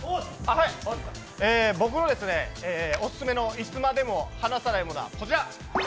僕のオススメのいつまでも離さないものは、こちら。